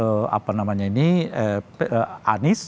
arah apa namanya ini anis